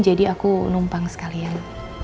jadi aku numpang sekalian